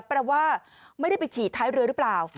แปลว่าไม่ได้ไปฉีดท้ายเรือหรือเปล่า